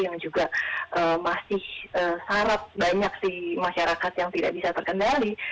yang juga masih syarat banyak sih masyarakat yang tidak bisa terkendali